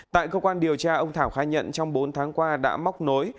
tại cơ quan điều tra ông thảo khai nhận trong bốn tháng qua đã móc nối